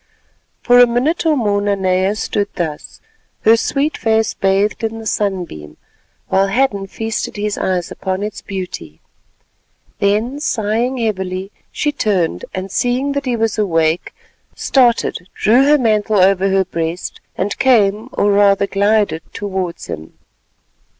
For a minute or more Nanea stood thus, her sweet face bathed in the sunbeam, while Hadden feasted his eyes upon its beauty. Then sighing heavily, she turned, and seeing that he was awake, started, drew her mantle over her breast and came, or rather glided, towards him.